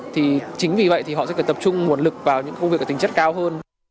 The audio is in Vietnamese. thì chính vì vậy thì họ sẽ phải tập trung nguồn lực vào những công việc có tính chất cao hơn